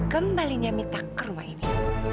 kembalinya minta ke rumah ini